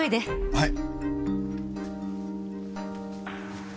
はい。